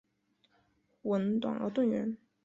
吻短而钝圆。